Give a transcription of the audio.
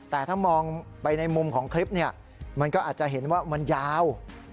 แต่ถ้ามองไปในมุมของคลิปเนี่ยมันก็อาจจะเห็นว่ามันยาว